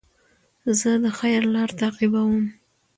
زه د خیر لاره تعقیبوم.